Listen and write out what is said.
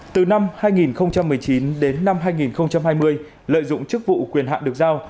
từ năm hai nghìn một mươi chín đến năm hai nghìn hai mươi lợi dụng chức vụ quyền hạn được giao